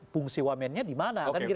fungsi wamennya di mana